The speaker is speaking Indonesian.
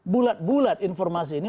bulat bulat informasi ini